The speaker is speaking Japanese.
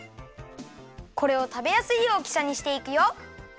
これをたべやすい大きさにしていくよ。